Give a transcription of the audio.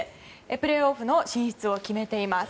プレーオフの進出を決めています。